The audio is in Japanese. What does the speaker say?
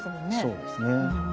そうですね。